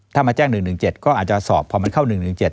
ถ้ามาแจ้ง๑๑๗ก็อาจจะสอบพอมันเข้า๑๑๗